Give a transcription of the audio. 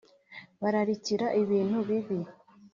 Bararikira ibintu bibi